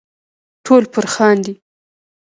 ټول پر خاندي .